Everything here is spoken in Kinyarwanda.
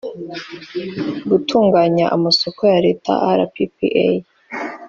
Gutunganya amasoko ya leta rppa